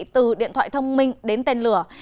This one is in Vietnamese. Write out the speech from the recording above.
từ điện thoại thông minh đến tên lửa